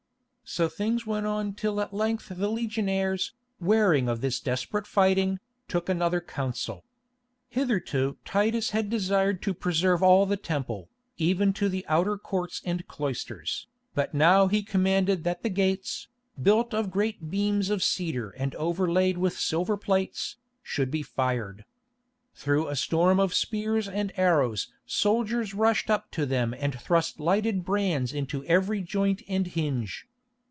So things went on till at length the legionaries, wearying of this desperate fighting, took another counsel. Hitherto Titus had desired to preserve all the Temple, even to the outer courts and cloisters, but now he commanded that the gates, built of great beams of cedar and overlaid with silver plates, should be fired. Through a storm of spears and arrows soldiers rushed up to them and thrust lighted brands into every joint and hinge.